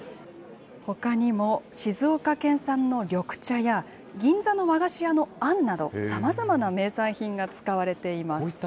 ほかにも静岡県産の緑茶や、銀座の和菓子屋のあんなど、さまざまな名産品が使われています。